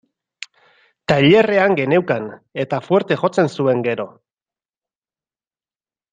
Tailerrean geneukan, eta fuerte jotzen zuen, gero.